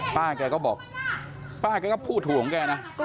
ป้าแกก็บอกว่าพ่อแกก็พูดถูกเรื่องแหละ